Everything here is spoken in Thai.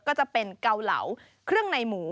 ก็จะเป็นเกาเหลาเครื่องในหมู